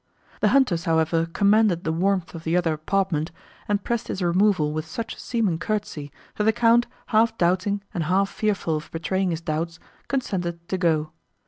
The hunters, however, commended the warmth of the other apartment, and pressed his removal with such seeming courtesy, that the Count, half doubting, and half fearful of betraying his doubts, consented to go.